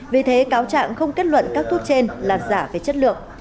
vì thế cáo trạng không kết luận các thuốc trên là giả về chất lượng